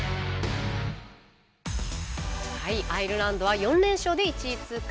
アイルランドは４連勝で１位通過。